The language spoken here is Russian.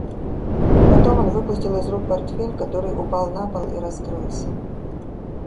Потом он выпустил из рук портфель, который упал на пол и раскрылся.